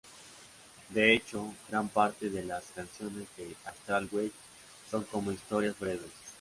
De hecho, gran parte de las canciones de "Astral Weeks" son como historias breves.